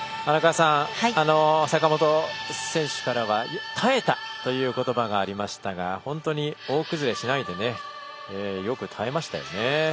坂本選手からは耐えたという言葉がありましたが本当に大崩れしないでよく耐えましたよね。